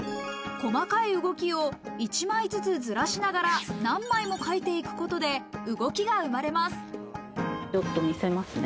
細かい動きを一枚ずつずらしながら何枚も描いていくことで動きがちょっと見せますね。